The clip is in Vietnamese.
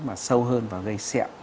mà sâu hơn và gây sẹo